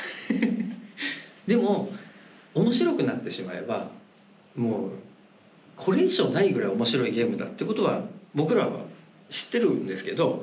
でも面白くなってしまえばもうこれ以上ないぐらい面白いゲームだってことは僕らは知ってるんですけど。